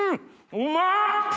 うまっ！